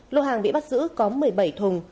lô hàng bị bắt giữ có một mươi bảy thùng